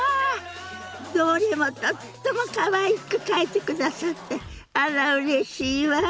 どれもとってもかわいく描いてくださってあらうれしいわ。